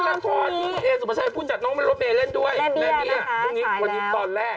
ลำครอมรางคทผมอันนี้มีแม่เบี้ยนะครับขายแล้ว